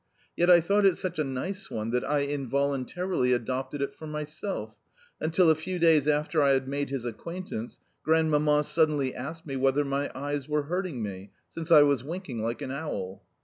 Yet I thought it such a nice one that I involuntarily adopted it for myself, until, a few days after I had made his acquaintance, Grandmamma suddenly asked me whether my eyes were hurting me, since I was winking like an owl!